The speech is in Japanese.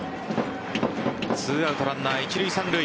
２アウトランナー一塁・三塁。